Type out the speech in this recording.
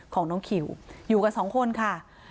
ของน้องคิวอยู่กันสองคนค่ะ